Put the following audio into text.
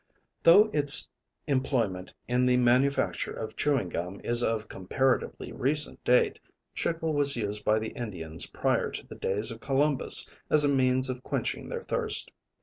Though its employment in the manufacture of chewing gum is of comparatively recent date, chicle was used by the Indians prior to the days of Columbus as a means of quenching their thirst.